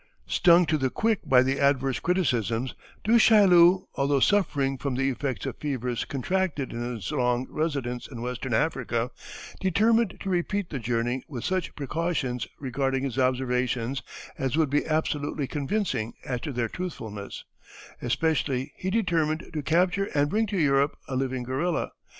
Stung to the quick by the adverse criticisms, Du Chaillu, although suffering from the effects of fevers contracted in his long residence in Western Africa, determined to repeat the journey with such precautions regarding his observations as would be absolutely convincing as to their truthfulness; especially he determined to capture and bring to Europe a living gorilla.